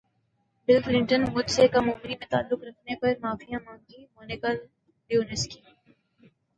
بل Clinton مجھ سے کم عمری میں تعلقات رکھنے پر معافی مانگیں مونیکا لیونسکی